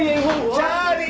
チャーリー！